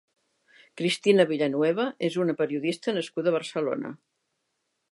Cristina Villanueva és una periodista nascuda a Barcelona.